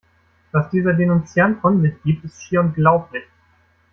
Was dieser Denunziant von sich gibt, ist schier unglaublich!